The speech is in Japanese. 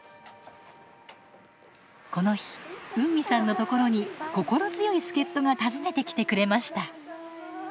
この日ウンミさんのところに心強い助っとが訪ねてきてくれました。